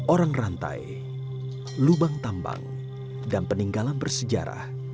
orang rantai lubang tambang dan peninggalan bersejarah